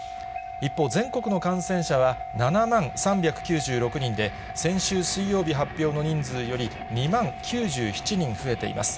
一方、全国の感染者は７万３９６人で、先週水曜日発表の人数より２万９７人増えています。